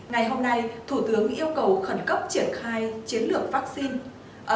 ngày hôm nay thủ tướng yêu cầu khẩn cấp triển khai chiến lược vaccine